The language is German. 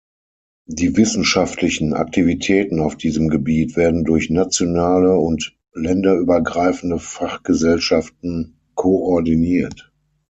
Die wissenschaftlichen Aktivitäten auf diesem Gebiet werden durch nationale und länderübergreifende Fachgesellschaften koordiniert.